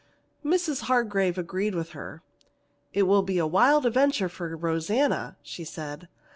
Mrs. Hargrave agreed with her. "It will be a wild adventure for Rosanna," she said.